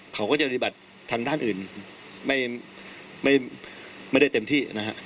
เขาก็จะปฏิบัติทางด้านอื่นไม่ได้เต็มที่นะฮะ